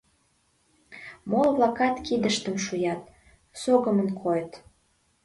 Моло-влакат кидыштым шуят, согымын койыт.